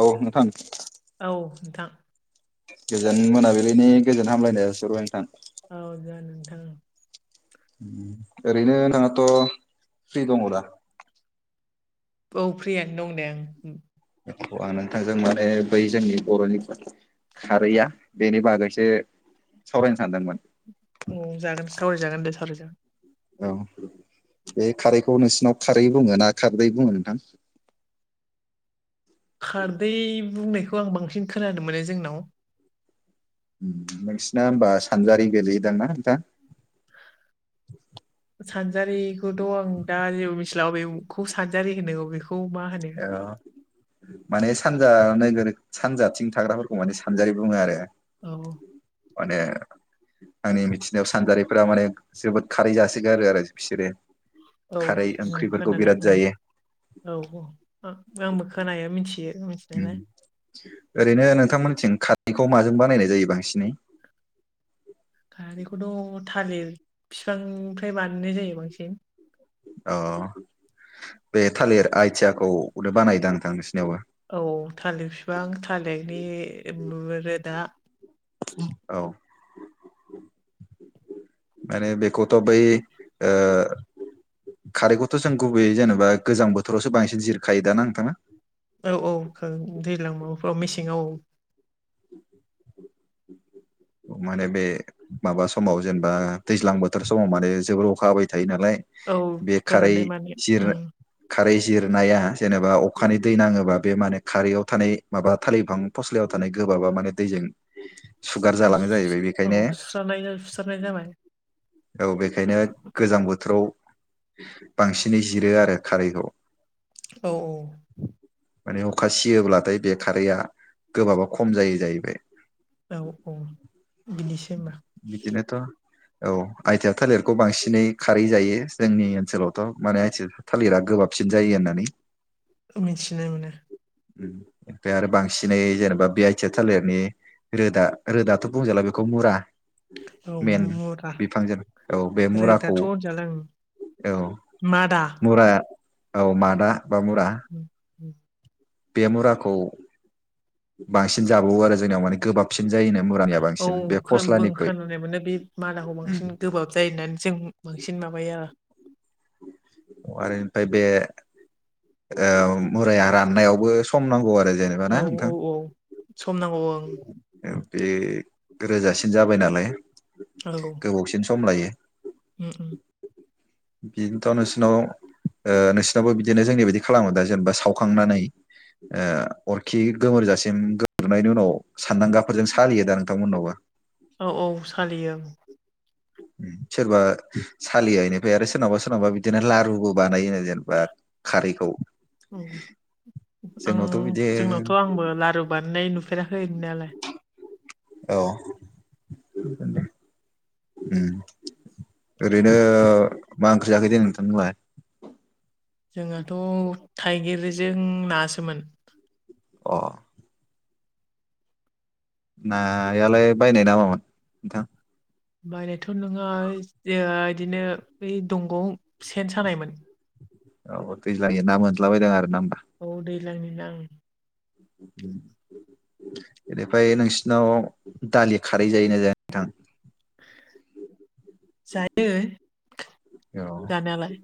औ नोंथां। नोंथां? गोजोन मोनाबिलिनि गोजोन हामग्लायनाय जासि हरबाय नोंथां। औ जागोन नोंथां। अम ओरैनो नोंहाथ' फ्रि दङ दा? औ फ्रियानो दं दे अम-अम। बे आं नोंथांजों माने बै जोंनि बर'नि खारैया बेनि बागैसो सावरायनो सानदोंमोन। औ जागोन सावराय जागोन दे सावराय जागोन। औ बे खारैखौ नोंसिनाव खारै बुङो ना खारदै बुङो नोंथां। [inaudible] खारदै बुंनायखौ आं बांसिन खोनानो मोनो जोंनाव। नोंसिना होमबा सानजारि गोलैयोदां ना नोंथा? सानजारिखौथ' आं दा जेबो मिथिला बेखौ सानजारि होनो अबेखौ - अबेखौ खौ मा होनो? औ माने सानजा नोगोर सानजाथिं थाग्राफोरखौ माने सानजारि बुङो आरो। औ। माने आंनि मिथिनायाव सानजारिफोरा माने जोबोद खारै जासोगारो आरो बिसोरो। औ खारै जों ओंख्रिफोरखौ खोनादों बिराद ओं जायो। औ औ आंबो खोनाया मिथियो। अम मिथिनायालाय ओरैनो नोंथांमोनथिं खारै -खौ माजों बानायनाय जायो बांसिनै? खारैखौथ' थालिर बिफांनिफ्राय बानायनाय जायो बांसिन। अ बे थालिर आइथियाखौ बानायो दां नोंथां नोंसिनियाबो। औ थालिर बिफां थालिरनि रोदा औ। माने बिखौ'थ बै ओं खारैखौथ' जों गुबैयै जेनेबा गोजां बोथोरावसो बांसिन जिरखायो दाना नोंथाङा। औ औ दैज्लां माबाफ्राव मेसेङाव औ। [inaudible] माने बे माबा समाव जेनेबा दैज्लां बोथोर समाव माने जोबोर अखा हाबाय थायो। थायो नालाय औ बे खारै फोराननाय माने जिर उम खारै जिरनाया जेनेबा अखानि दै नाङोबा बे माने खारैयाव थानाय माबा थालिर बिफांनि फस्लायाव थानाय गोबाब माने दैजों सु औ सुस्रानाय सुस्रानाय जाबाय। औ बेखायनो गोजां बोथोराव बांसिनै जिरो आरो खारैखौ। औ औ। माने अखा सियोब्लाथाय बे खारैया गोबाबआ खम जायो जाहैबाय। अ औ। बिदिसो होमबा बिदिनोथ'। औ आइथिया थालिरखौ बांसिनै खारै जायो जोंनि ओनसोलावथ' माने आइथिया थालिरा गोबाबसिन जायो होननानै। मिथिनो मानो। ओमफ्राय आरो बांसिनै जेनेबा बि आइ टिआ थालिरनि रोदा रोदाथ' बुंजाला बेखौ मुरा औ मेन मु- मुरा बिफांजों औ बे मुराखौ रोदाथ' होनजाला ओं औ मादा मुरा औ मादा बा मुरा। [inaudible] बे मुराखौ बांसिन जाबावो आरो जोंनियाव माने गोबाबसिन जायोनो मुरानिया औ बांसिन बे बुं फस्लानिख्रुइ खोनानाय मोनो बे मादाखौ बांसिन गोबाब जायो होननानै जों माबायो आरो। आरो निफ्राय बे मुराया राननायावबो सम नांगौ आरो। जेनेबा ना औ औ नोंथां औ सम नांगौ ओं। बे रोजासिन जाबाय नालाय औ गोबावसिन सम लायो। उम उम बेनथ' नोंसिनाव। नोंसिनावबो बिदिनो जोंनि बायदि खालामो दा जेनेबा सावखांनानै अरखि गोमोरजासिम गोमोरनायनि उनाव सानदांगाफोरजों सालियो दा नोंथांमोननावबो। औ औ सालियो। [inaudible] सोरबा सालिया इनिफ्राय आरो सोरनावबा सोरनावबा बिदिनो लारुबो बानायो जेनेबा खारैखौ। जोंनावथ' आं बिदि जोंनावथ' आंबो लारु बानायनाय नु नुफेराखै नुनायालाय। औ। ओरैनो मा ओंख्रि जाखो दे नोंथांमोनहा? जोंहाथ' थाइगिरजों नासोमोन। अ। नायालाय बायनाय नामामोन नोंथां? बायनायथ' नङा बिदिनो बै दंग'आव सेन सानायमोन। औ दैज्लांनि ना मोनला बायदों आरोना। औ दैलांनि नाङो। उम। बेनिफ्राय नोंसिनाव दालि खारै जायोना जाया नोंथां। जायो औ जानायालाय।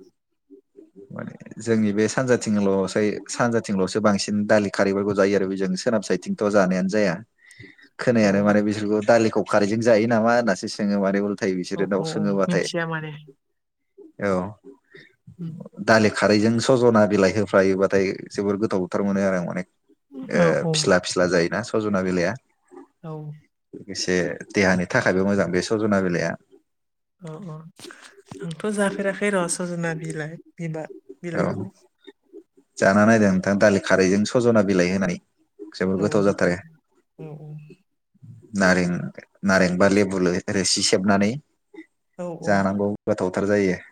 माने जोंनि बे सानजाथिंल'सै सानजाथिंल'सो बांसिन दालि खारैफोरखौ जायो आरो बेजोंसो सोनाब सायटथिंथ' जानायानो जाया खोनाय औ आरो माने बिसोरखौ दालिखौ खारैजों जायो नामा होननासो सोङो मानेल नाथाय औ औ बिसोरो दाउ औ सोङोबाथाय मिथिया माने औ उ दालि खारैजों सज'ना बिलाइ होफ्लायोबाथाय जोबोर गोथाव थार मोनो आरो आं माने औ औ फिस्ला फिस्ला जायोना सजना बिलाया औ लोगोसे देहानि थाखायबो मोजां बे सजना बिलाइआ अ अ आंथ' जाफेराखै र' सजना बिलाइ बिबार औ जाना नायदों नोंथां दालि खारैजों सजना बिलाइ होनानै जोबोर औ गोथाव सार जाथारो औ औ नारें नारेंबा लेबु रोसि सेबनानै औ औ जानांगौ गोथावथार जायो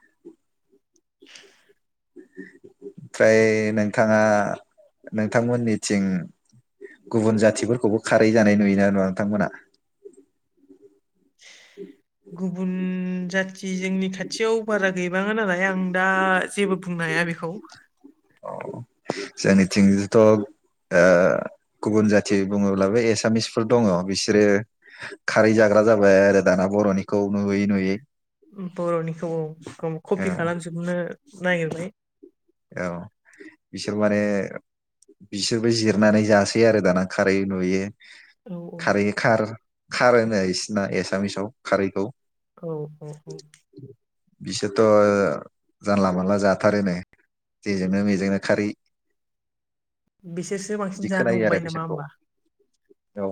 ओमफ्राय नोंथाङा नोंथांमोननिथिं गुबुन जाथिफोरखौबो खारै जानाय नुयोना नुवा नोंथांमोनहा गुबुन जाथि जोंनि खाथियाव बारा गैबाङा नालाय आं दा जेबो बुंनो हाया बेखौ अ जनिथिंथ' ओ गुबुन जाथि बुङोब्लाबो एसामिसफोर दङ बिसोरो खारै जाग्रा जाबाय आरो दाना बर'निखौ नुयै नुयै बर'निखौ औ कपि खालामजोबनो नागिरबाय औ बिसोर माने बिसोरबो जिरनानै जासै आरो दाना खारै नुयो औ खारै खार खार होनो बिसिना एसामिसाव खारैखौ औ औ औ बिसोरथ' जानला मोनला जाथारो नो जेजोंनो मेजोंनो खारै बिसोरसो बांसिन बिदि जानो खोनायो आरो हमबाय नामा बिसोरखौ होमबा औ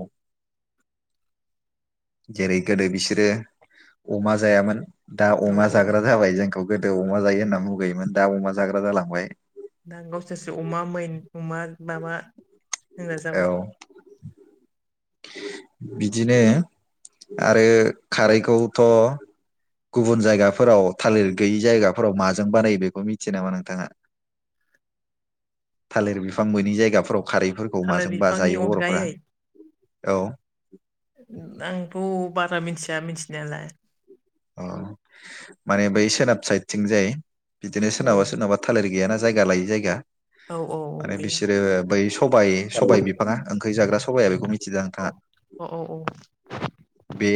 जेरै गोदो बिसोरो अमा जायामोन दा औ अमा औ जाग्रा जाबाय जोंखौ गोदो अमा जायो होनना मुगैयोमोन दा अमा जाग्रा जालांबाय दा गावसोरसो अमा मेन अमा माबा होनग्रा औ जाबाय बिदिनो आरो खारैखौथ' गुबुन जायगाफोराव थालिर गैयि जायगाफोराव माजों बानायो बेखौ मिथियो नामा नोंथाङा थालिर बिफां मोनि जायगाफोराव खारैफोरखौ थालिर माजों बानायना बिफांनि जायो बर'फ्रा अनगायै औ आंथ' बारा मिथिया मिथिनायालाय अ माने बै सोनाब साइदथिं जाय बिदिनो औ सोरनाबा सोरनाबा थालिर गैयाना जायगा लायै जायगा औ औ औ माने गैया बिसोरो बै सबाइ सबाइ बिफाङा ओंखै जाग्रा सबाया बेखौ मिथियो दा नोंथाङा अ औ औ बे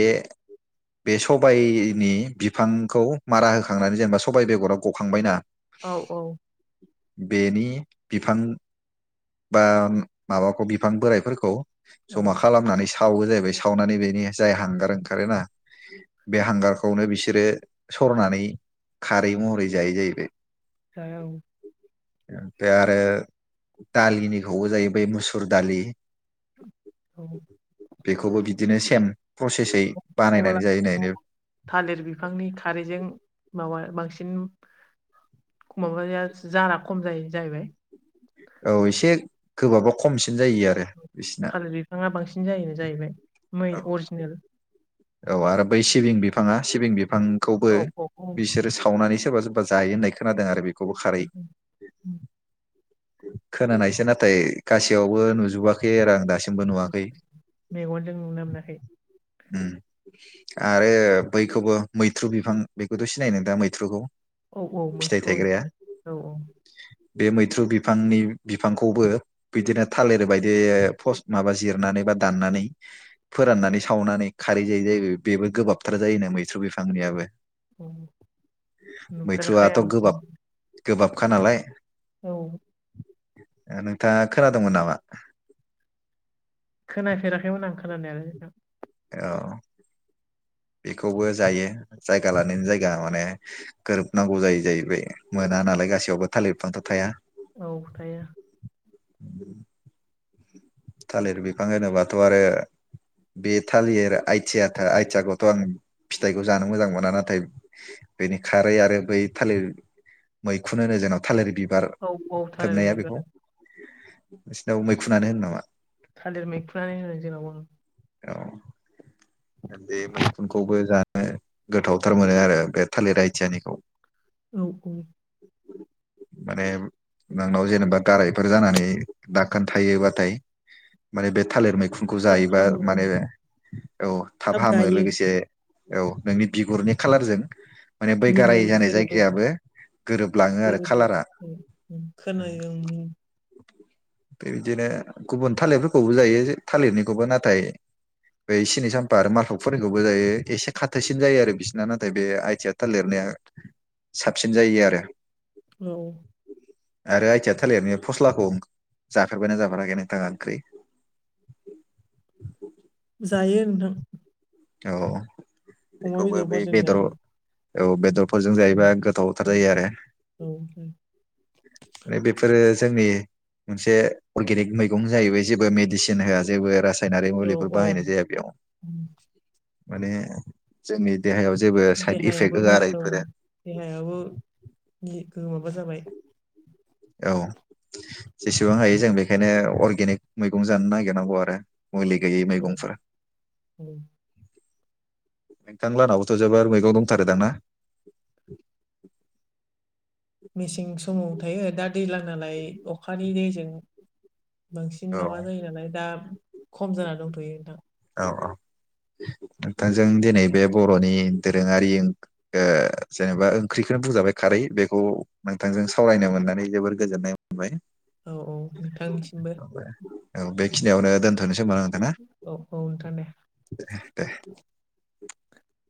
बे सबायनि बिफांखौ मारा होखांनानै जेनेबा सबायाइ बेगरा गखांबायना औ औ बेनि बिफां बा माबाखौ बिफां बोराइफोरखौ औ जमा खालामनानै सावो जाहैबाय सावनानै बेनि जाय हांगार ओंखारोना बे हांगारखौनो बिसोरो सरनानै खारै महरै जायो जाहैबाय औ ओमफ्राय आरो दालिनिखौबो जायो बै मुसुर दालि औ बेखौबो बिदिनो सेम प्रसेसै अब्ला बानायनानै जायो होननायनो थालिर बिफांनि खारैजों माबा बांसिन माबाया जारा खम जायो जाहैबाय औ एसे गोबाबा खमसि थालिर बिफाङा बांसिन जायोनो जाहैबाय मै अरिजिनेल औ आरो बै सिबिं बिफाङा सिबिं बिफांखौबो औ औ औ बिसोरो सावनानै सोरबा सोरबा जायो होननाय खोनादों आरो बे [unintelligible] खोनानायसो नाथाय गासैयावबो नुजोबाखै आरो आं दासिम मेगनजों नुनो मोनाखै ओम आरो बैखौबो मैथ्रु बिफां बेखौथ' सिनायो नोंथां मैथ्रुखौ औ औ फिथाइ मैथ्रु थायग्राया औ औ बे मैथ्रु बिफांनि बिफांखौबो बिदिनो थालिर बायदि फंस माबा जिरनानै एबा दानानै फोरनानै सावनानै खारै जाय जायो बेबो गोबाबथार जायोना मैथ्रु बिफांनियाबो औ नुफेराखै मैथ्रुआथ' आं गोबाब गोबाबखा नालाय औ नोंथाङा खोनादोंंमोन नामा खोनाफेराखैमोन आं खोनानाय नोंथां औ बेखौबो जायो जायगा लानायनि जायगा माने गोरोबनांगौ जायो जाहैबाय मोना नालाय गसियावबो थालिरफांथ' थाया औ थाया उम थालिर बिफां होनोबाथ' आरो बे थालिर आइथिया आथियाखौथ' आं फिथाइखौ जानो मोजां मोना नाथाय बेनि खारै आरो बै थालिर मैखुनुन होनो जोंनाव थालिर बिब बिबार औ औ थालिर थोबनाया बेखौ मैखुन नोंसिनाव मैखुनानो होनो नामा थालिर मैखुनानै बुंङो जोंनावबो औ बे मैखुनखौबो जानो गोथावथार मोनो आरो बे थालिर आइथियानिखौ औ औ [unintelligible] माने नोंनाव जेनेबा गारायफोर जानानै दाखोन थायोबाथाय माने बे थालिर मैखुनखौ थाब जायोबा हामो ओं माने औ थाब हामो लोगोसे औ नोंनि बिगुरनि खालारजों माने बै गाराय मिलायो जानाय गोरोबो जायगायाबो गोरोबलाङो आरो गोरोबो खालारा उम उम खोनायो ओं उम बे बिदिनो गुबुन थालिरफोरखौबो जायो थालिरनिखौबो नाथाय बैसेनि साम्फा आरो मार्कफोरनिखौबो जायो एसे खाथोसिन जायो आरो बिसिना नाथाय बे आइथिया थालिरनाया साबसिन जायो आरो औ आरो आयथिया थालिर फस्लाखौ जाफेरबायना जाफाराखै नोंथाङा ओंख्रि [unintelligible] जायो नोंथां औ अमा बेखौबो बै बेदरफोरजों बेदर जायो औ बेदरफोरजों उम जायोबा औ गोथावथार जायो आरो माने बेफोरो जोंनि मोनसे अर्गेनिक मैगं जाहैबाय जेबो मेडिसिन होआ जेबो रास रासायनारि औ मुलिफोर औ औ बाहायनाय जाया बेयाव उम माने जोंनि देहायाव जेबो साइद इफेक्ट देहायाबो होआ आरो मोजां बेफोरो ओ माबा जाबाय औ जेसेबां हायो जों बेखायनो अर्गेनिक मैगं जानो नागिरनांगौ आरो मुलि गैयै औ मैगंफोरा औ नोंथां लानावथ' जोबोर मैगं दंथारोदां ना [unintelligible] मेसें समाव थायो दा दैज्लां नालाय अखानि दैजों बांसिन औ माबा जायो नालाय दा खम जाना दंथ'यो नोंथां औ औ नोंथांजों दिनै बे बर'नि दोरोङारि ओ जेनेबा ओंख्रिखौ बुंजाबाय खारै बेखौ नोंथांजों सावरायनो मोननानै जोबोर गोजोननाय मोनबाय औ औ नोंथांनिसिमबो औ बेखिनियावनो दोनथ'नोसै ओमबा नोंथा ना औ औ नोंथां दे [unintelligible]